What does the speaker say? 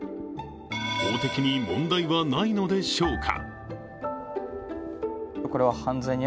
法的に問題はないのでしょうか。